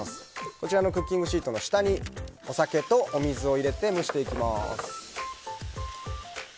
こちらのクッキングシートの下にお酒とお水を入れて蒸していきます。